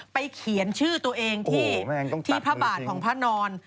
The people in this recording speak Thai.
เขียนชื่อตัวเองที่พระบาทของพระนอน